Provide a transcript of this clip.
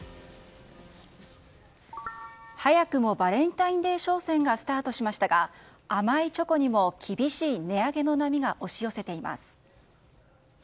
早くもバレンタインデー商戦がスタートしましたが甘いチョコにも厳しい値上げの波が押し寄せています。